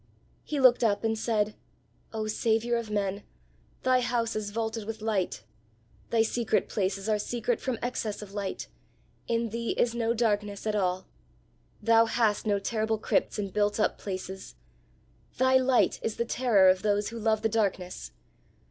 He looked up and said, "Oh Saviour of men, thy house is vaulted with light; thy secret places are secret from excess of light; in thee is no darkness at all; thou hast no terrible crypts and built up places; thy light is the terror of those who love the darkness!